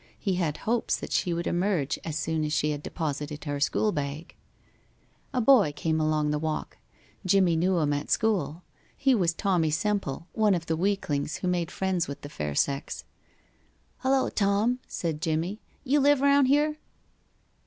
He had hopes that she would emerge as soon as she had deposited her school bag. A boy came along the walk. Jimmie knew him at school. He was Tommie Semple, one of the weaklings who made friends with the fair sex. "Hello, Tom," said Jimmie. "You live round here?"